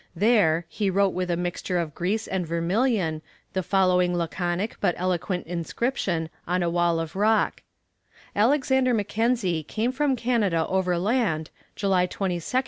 There, he wrote with a mixture of grease and vermilion, the following laconic but eloquent inscription on a wall of rock: "Alexander Mackenzie, come from Canada overland, July 22nd, 1793."